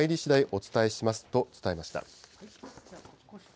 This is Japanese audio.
お伝えしますと伝えました。